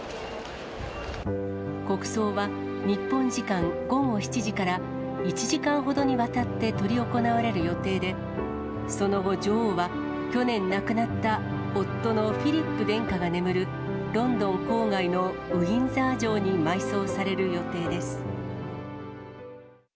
国葬は日本時間午後７時から、１時間ほどにわたって執り行われる予定で、その後女王は、去年亡くなった夫のフィリップ殿下が眠る、ロンドン郊外のウィンザー城に埋葬される予定です。